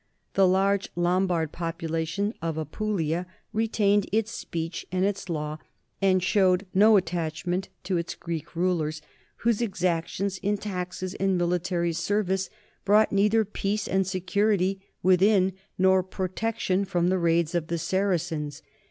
The large Lom bard population of Apulia retained its speech and its law and showed no attachment to its Greek rulers, whose exactions in taxes and military service brought neither peace and security within nor protection from the raids of the Saracens.